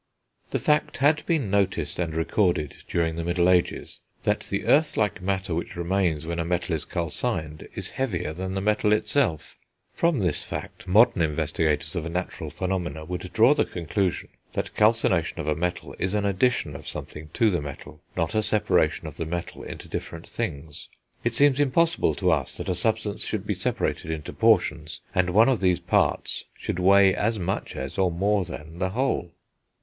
The fact had been noticed and recorded, during the middle ages, that the earth like matter which remains when a metal is calcined is heavier than the metal itself. From this fact, modern investigators of natural phenomena would draw the conclusion, that calcination of a metal is an addition of something to the metal, not a separation of the metal into different things. It seems impossible to us that a substance should be separated into portions, and one of these parts should weigh as much as, or more than, the whole.